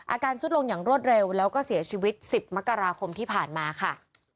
สุดลงอย่างรวดเร็วแล้วก็เสียชีวิต๑๐มกราคมที่ผ่านมาค่ะ